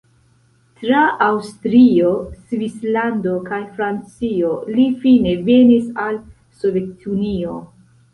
Tra Aŭstrio, Svislando kaj Francio li fine venis al Sovetunio.